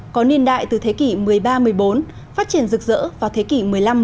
có niên đại từ thế kỷ một mươi ba một mươi bốn phát triển rực rỡ vào thế kỷ một mươi năm một mươi